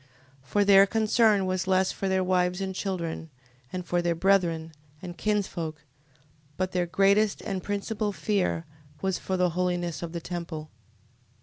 15:18. For their concern was less for their wives, and children, and for their brethren, and kinsfolks: but their greatest and principal fear was for the holiness of the temple.